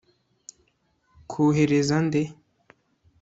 kohereza nde